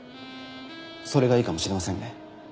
それがいいかもしれませんね。